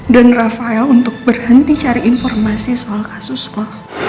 dan rafael untuk berhenti cari informasi soal kasus lo